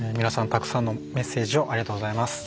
たくさんのメッセージをありがとうございます。